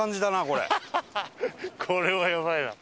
これはやばいな。